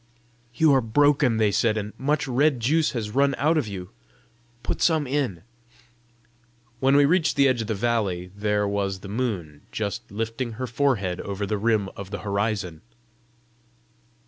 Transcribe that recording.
"You are broken," they said, "and much red juice has run out of you: put some in." When we reached the edge of the valley, there was the moon just lifting her forehead over the rim of the horizon.